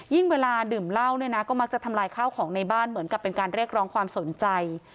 เวลาดื่มเหล้าเนี่ยนะก็มักจะทำลายข้าวของในบ้านเหมือนกับเป็นการเรียกร้องความสนใจ